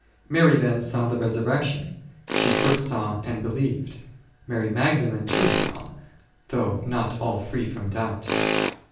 Mary then saw the resurrection, she first saw and believed ; Mary Magdalene too saw, though not all free from doubt.